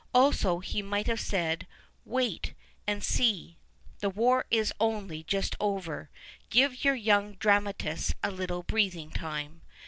Also he might have said, wait and see. The war is only just over ; give your young dramatists a little breathing time.